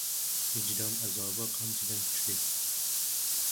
• Vijdon azobi qamchidan kuchli.